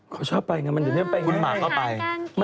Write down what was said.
ก็ชอบไปนะมันจะเริ่มไปหุ้นหมาก็ไป